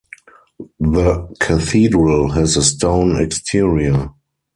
The Cathedral has a stone exterior.